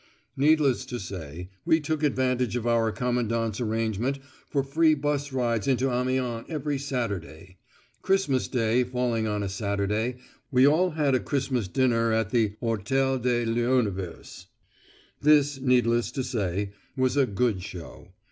Needless to say, we took advantage of our commandant's arrangement for free 'bus rides into Amiens every Saturday. Christmas Day falling on a Saturday, we all had a Christmas dinner at the Hôtel de l'Univers. This, needless to say, was a "good show."